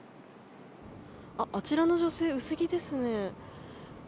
あちらの女性、薄着ですね。